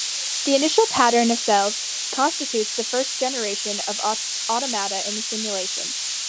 The initial pattern of cells constitutes the first generation of automata in the simulation.